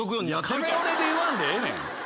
カフェオレで言わんでええねん。